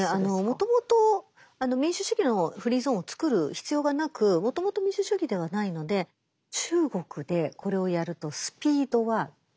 もともと民主主義のフリーゾーンを作る必要がなくもともと民主主義ではないので中国でこれをやるとスピードは速いです。